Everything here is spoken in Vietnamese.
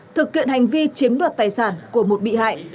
thực hiện hành vi chiếm đoạt tài sản của một bị hại